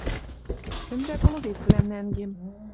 Сӹнзӓ-коловецвлӓм нӓнгем.